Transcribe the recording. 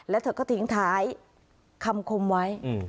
แล้วเธอก็ทิ้งท้ายคำคมไว้